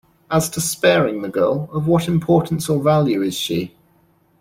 As to sparing the girl, of what importance or value is she?